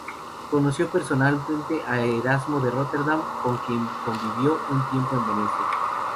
Conoció personalmente a Erasmo de Róterdam, con quien convivió un tiempo en Venecia.